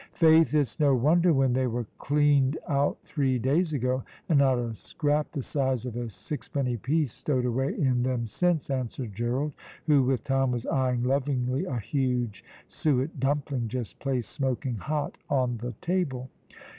"Faith, it's no wonder when they were cleaned out three days ago, and not a scrap the size of a sixpenny piece stowed away in them since," answered Gerald, who with Tom was eyeing lovingly a huge suet dumpling just placed smoking hot on the table.